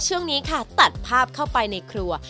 ช่วงนี้ค่ะตัดภาพเข้าไปในครัว